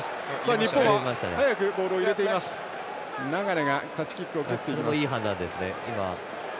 日本は速くボールを入れていきます。